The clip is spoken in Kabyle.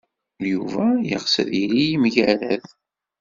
Yuba yeɣs ad yili yemgerrad.